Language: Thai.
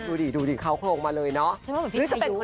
ดูดิดูดิเขาโครงมาเลยเนาะ